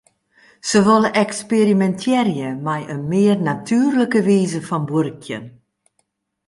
Se wolle eksperimintearje mei in mear natuerlike wize fan buorkjen.